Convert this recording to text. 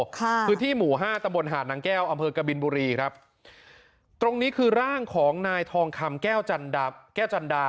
ค่ะพื้นที่หมู่ห้าตะบนหาดนางแก้วอำเภอกบินบุรีครับตรงนี้คือร่างของนายทองคำแก้วจันดาแก้วจันดา